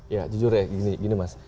ya jujur ya gini mas